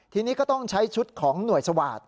ทีนี้ก็ต้องใช้ชุดของหน่วยสวาสตร์